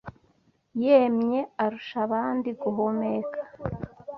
yemye arusha abandi guhumeka neza